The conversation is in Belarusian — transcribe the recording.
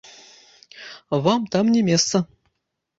Вам там не месца!